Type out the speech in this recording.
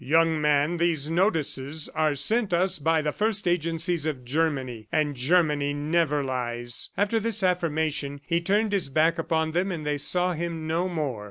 "Young man, these notices are sent us by the first agencies of Germany ... and Germany never lies." After this affirmation, he turned his back upon them and they saw him no more.